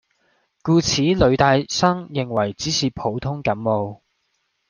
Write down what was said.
故此女大生認為只是普通感冒